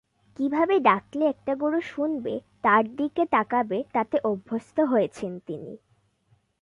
কীভাবে ডাকলে একটা গরু শুনবে, তাঁর দিকে তাকাবে তাতে অভ্যস্ত হয়েছেন তিনি।